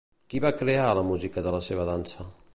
Qui va crear la música de la seva dansa?